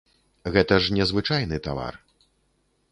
Гэта ж не звычайны тавар.